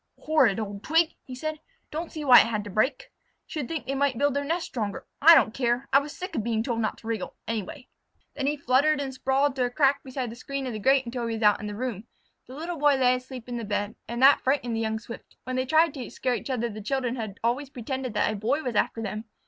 "Horrid old twig!" he said. "Don't see why it had to break! Should think they might build their nest stronger. I don't care! I was sick of being told not to wriggle, anyway!" Then he fluttered and sprawled through a crack beside the screen of the grate until he was out in the room. The Little Boy lay asleep in the bed, and that frightened the young Swift. When they tried to scare each other the children had always pretended that a Boy was after them.